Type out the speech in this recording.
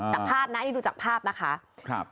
จากภาพนะอันนี้ดูจากภาพนะคะ